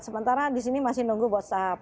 sementara di sini masih menunggu bu sari